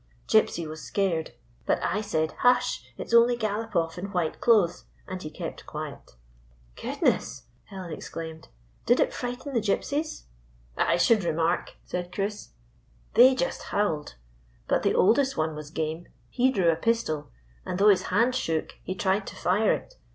Gypsy was scared, but I said, 1 Hush ! It 's only Galopoff in white clothes/ and he kept quiet." " Goodness !" Helen exclaimed. "Did it; frighten the Gypsies?" 221 GYPSY, THE TALKING DOG "I should remark !" said Cliris. " They just howled. But the oldest one was game. He drew a pistol, and, though his hand shook, he tried to fire it.